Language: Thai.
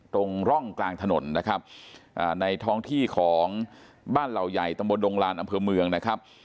ตรงร่องกลางถนนนะครับในท้องที่ของบ้านเหล่าใหญ่ตำบลดงลานอำเภอเมืองนะครับ